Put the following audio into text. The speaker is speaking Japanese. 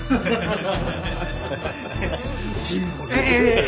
ええ。